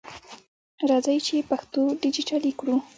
راځئ چې پښتو ډیجټالي کړو!